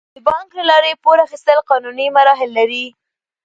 د بانک له لارې پور اخیستل قانوني مراحل لري.